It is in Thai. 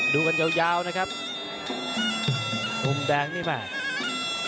ดูกันยาวยาวนะครับมุมแดงนี่แม่